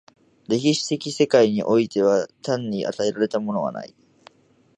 歴史的世界においては単に与えられたものはない。